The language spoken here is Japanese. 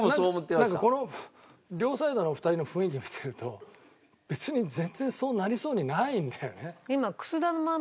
なんかこの両サイドの２人の雰囲気を見てると別に全然そうなりそうにないんだよね。